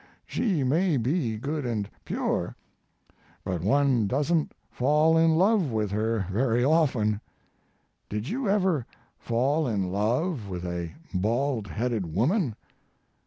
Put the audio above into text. She may be good and pure, but one doesn t fall in love with her very often. Did you ever fall in love with a bald headed woman?